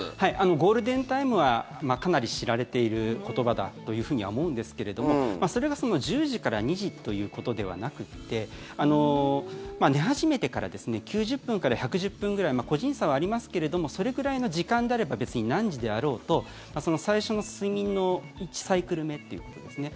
ゴールデンタイムはかなり知られている言葉だとは思うんですけどもそれが１０時から２時ということではなくて寝始めてから９０分から１１０分くらい個人差はありますけれどもそれくらいの時間であれば別に何時であろうと最初の睡眠の１サイクル目ということですね。